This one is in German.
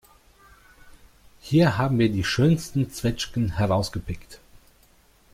Hier haben wir die schönsten Zwetschgen herausgepickt.